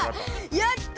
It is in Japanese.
やった！